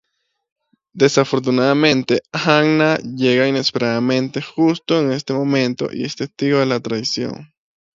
Desafortunadamente, Anna llega inesperadamente justo en este momento y es testigo la traición.